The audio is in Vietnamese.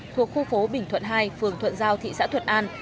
thuộc khu phố bình thuận hai phường thuận giao thị xã thuận an